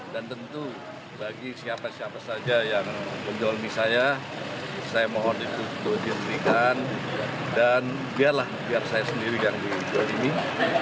dan tentu bagi siapa siapa saja yang menjual mie saya saya mohon itu dihentikan dan biarlah biar saya sendiri yang menjual mie